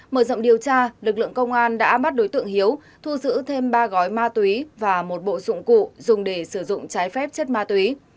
mở rộng điều tra lực lượng công an đã bắt đối tượng hiếu thu giữ thêm ba gói ma túy và một bộ dụng cụ dùng để sử dụng trái phép chất ma túy